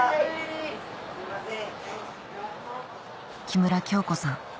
木村響子さん